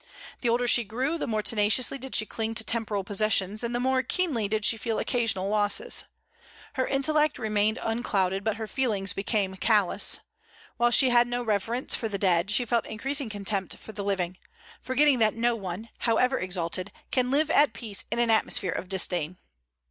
The older she grew, the more tenaciously did she cling to temporal possessions, and the more keenly did she feel occasional losses. Her intellect remained unclouded, but her feelings became callous. While she had no reverence for the dead, she felt increasing contempt for the living, forgetting that no one, however exalted, can live at peace in an atmosphere of disdain.